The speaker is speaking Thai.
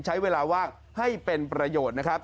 ใช้เวลาว่างให้เป็นประโยชน์นะครับ